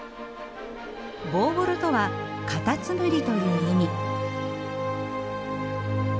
ボーヴォロとはカタツムリという意味。